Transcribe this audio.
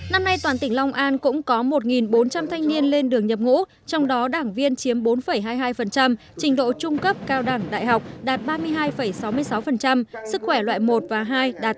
năm nay toàn tỉnh long an cũng có một bốn trăm linh thanh niên lên đường nhập ngũ trong đó đảng viên chiếm bốn hai mươi hai trình độ trung cấp cao đẳng đại học đạt ba mươi hai sáu mươi sáu sức khỏe loại một và hai đạt tám mươi